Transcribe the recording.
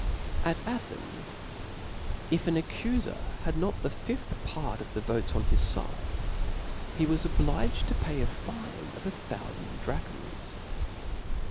At Athens, if an accufcr had not the fifth part of the ^ votes on his fide, he was obliged to pay a fine of a thoufand drachms.